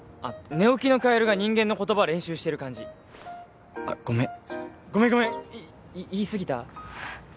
寝起きのカエルが人間の言葉練習してる感じあっごめんごめんごめん言いすぎた？